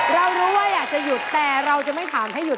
เรารู้ว่าอยากจะหยุดแต่เราจะไม่ถามให้หยุด